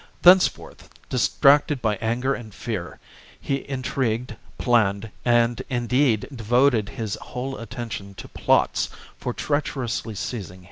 Thenceforth, distracted by anger and fear, he intrigued, planned, and indeed devoted his whole attention to plots for treacherously seizing Hiempsal.